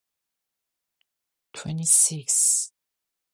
Mamie Tape was a Chinese American immigrant born in San Francisco.